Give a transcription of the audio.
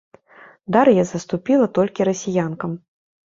Дар'я саступіла толькі расіянкам.